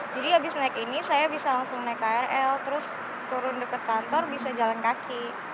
jadi habis naik ini saya bisa langsung naik krl terus turun dekat kantor bisa jalan kaki